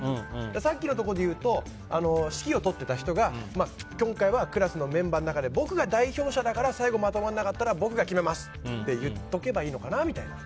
さっきのところでいうと指揮を執ってた人が今回はクラスのメンバーの中で僕が代表者だから最後、まとまらなかったら僕が決めますって言っとけばいいのかなみたいな。